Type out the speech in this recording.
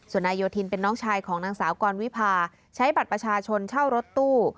ส่วนนายโยธินเป็นน้องชายของนางสาวกรวิพาใช้บัตรประชาชนเช่ารถตู้